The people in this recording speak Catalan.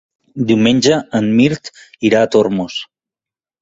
Diumenge en Mirt irà a Tormos.